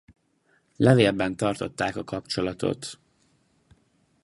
Levélben tartották a kapcsolatot.